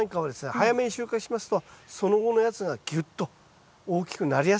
早めに収穫しますとその後のやつがぎゅっと大きくなりやすくなるからです。